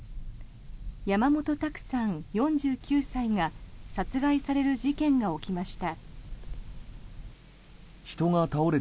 山本卓さん、４９歳が殺害される事件が起きました。